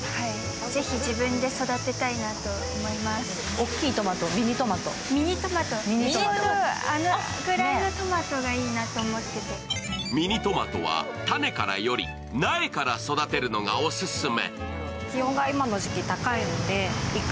大好きな野菜があるそうでミニトマトは種からより苗から育てるのがオススメ。